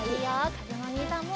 かずむおにいさんも。